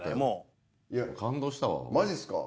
マジっすか。